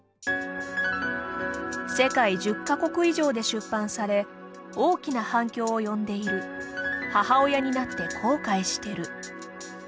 世界１０か国以上で出版され大きな反響を呼んでいる「母親になって後悔してる」。